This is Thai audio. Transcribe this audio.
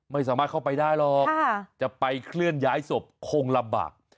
ไม่สามารถเข้าไปได้หรอกจะไปเคลื่อนย้ายศพคงลำบาก